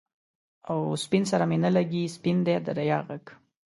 سپين سره می نه لګي، سپین دی د ریا رنګ